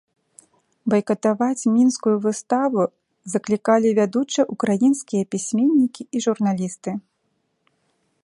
Байкатаваць мінскую выставу заклікалі вядучыя ўкраінскія пісьменнікі і журналісты.